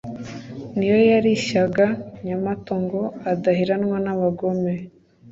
Ni yo yarishyaga Nyamato Ngo adaheranwa n’abagome,